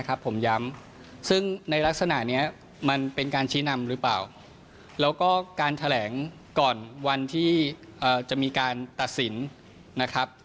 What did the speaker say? การเมืองครับมันเป็นการเมืองครับ